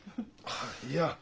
あっいや。